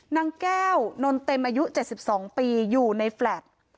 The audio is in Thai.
นางแก้วนนเต็มอายุ๗๒ปีอยู่ในแฟลต์